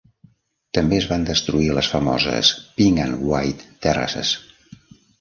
També es van destruir les famoses Pink and White Terraces.